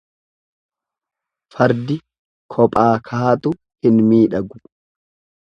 Fardi kophaa kaatu hin miidhagu.